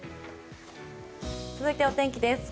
続いてお天気です。